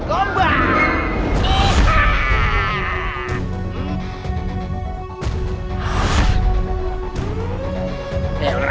kial kial gomba